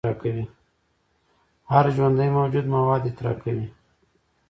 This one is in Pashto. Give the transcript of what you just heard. هر ژوندی موجود مواد اطراح کوي